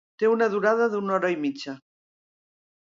Té una durada d'una hora i mitja.